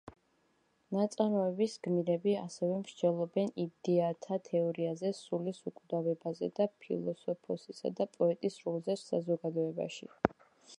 ნაწარმოების გმირები ასევე მსჯელობენ იდეათა თეორიაზე, სულის უკვდავებაზე და ფილოსოფოსისა და პოეტის როლზე საზოგადოებაში.